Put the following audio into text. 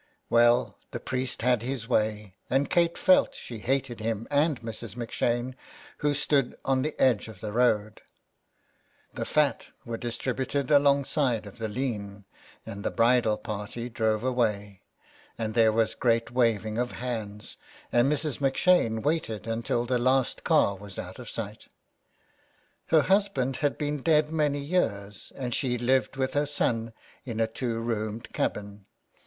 Well, the priest had his way , and Kate felt she hated him and Mrs. M 'Shane, who stood on the edge of the road. The fat were dis tributed alongside of the lean, and the bridal party 67 SOME PARISHIONERS. drove away, and there was a great waving of hands and Mrs. M 'Shane waited until the last car was out of sight. Her husband had been dead many years, and she lived with her son in a two roomed cabin.